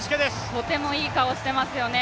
とてもいい顔してますよね